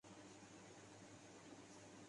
ملک میں بیروزگاری اور مفلسی کا دور دورہ ہو